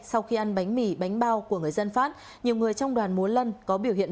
sau khi ăn bánh mì bánh bao của người dân phát nhiều người trong đoàn múa lân có biểu hiện